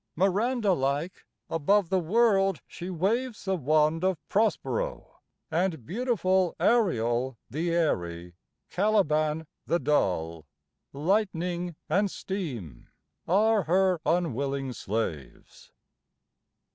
Miranda like, above the world she waves The wand of Prospero; and, beautiful, Ariel the airy, Caliban the dull, Lightning and steam, are her unwilling slaves.